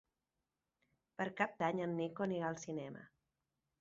Per Cap d'Any en Nico anirà al cinema.